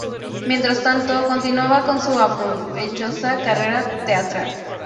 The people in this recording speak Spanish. Mientras tanto, continuaba con su provechosa carrera teatral.